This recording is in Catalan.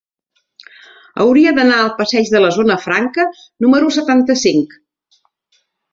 Hauria d'anar al passeig de la Zona Franca número setanta-cinc.